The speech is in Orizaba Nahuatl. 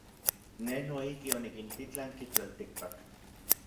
Nej noijki onikintitlanki tlaltikpak.